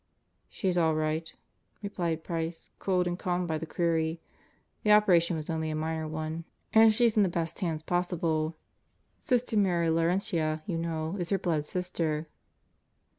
"She's all right," replied Price, cooled and calmed by the query. "The operation was only a minor one and she's in the best hands possible. Sister Mary Laurentia, you know, is her blood sister."